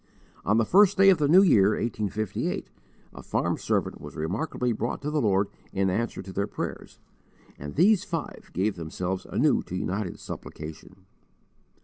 On the first day of the new year, 1858, a farm servant was remarkably brought to the Lord in answer to their prayers, and these five gave themselves anew to united supplication.